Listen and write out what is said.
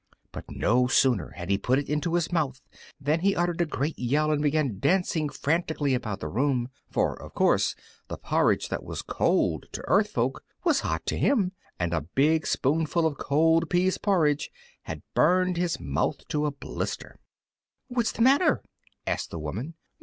But no sooner had he put it into his mouth than he uttered a great yell, and began dancing frantically about the room, for of course the porridge that was cold to earth folk was hot to him, and the big spoonful of cold pease porridge had burned his mouth to a blister! "What's the matter?" asked the woman.